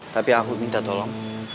tapi aku minta tolong